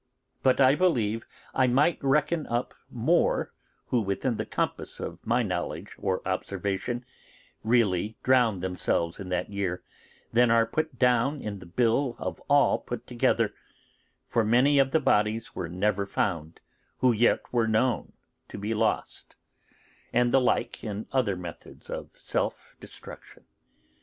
But I believe I might reckon up more who within the compass of my knowledge or observation really drowned themselves in that year, than are put down in the bill of all put together: for many of the bodies were never found who yet were known to be lost; and the like in other methods of self destruction.